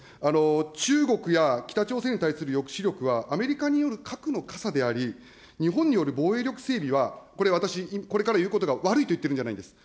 中国や北朝鮮に対する抑止力はアメリカによる核の傘であり、日本による防衛力整備は、これ私、これから言うことが悪いと言ってるわけではないんです。